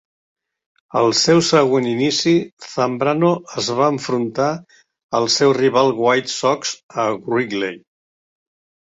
Al seu següent inici, Zambrano es va enfrontar el seu rival White Sox a Wrigley.